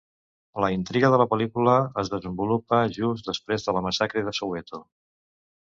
La intriga de la pel·lícula es desenvolupa just després de la massacre de Soweto.